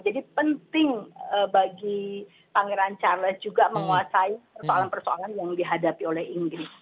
jadi penting bagi pangeran charles juga menguasai persoalan persoalan yang dihadapi oleh inggris